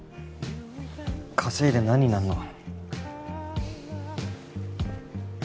稼いで何になるの？